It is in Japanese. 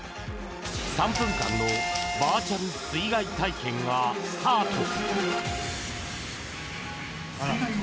３分間のバーチャル水害体験がスタート。